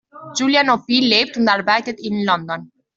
Julian Opie lebt und arbeitet in London.